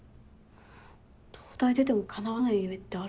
東大出てもかなわない夢ってあるんだ。